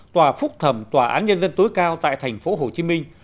tòa phúc thẩm tòa án nhân dân tối cao tại thành phố hồ chí minh